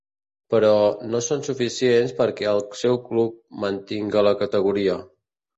Però, no són suficients perquè el seu club mantinga la categoria.